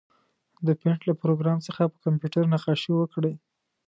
د پېنټ له پروګرام څخه په کمپیوټر نقاشي وکړئ.